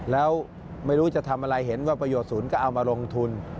แล้วไม่รู้จะทำอะไรเห็นว่าประโยชน์ศูนย์ก็เอามาลงทุน